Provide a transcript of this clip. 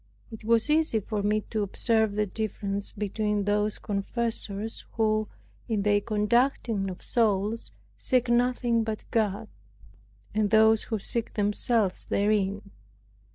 It was easy for me to observe the difference between those confessors who, in their conducting of souls, seek nothing but God, and those who seek themselves therein.